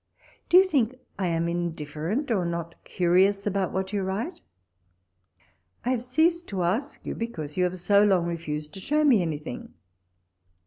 Do you think I am indifferent, or not curious about what you write 1 I have ceased to ask you, because you have so long refused to show me anything.